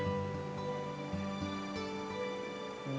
bayangkan ibu kita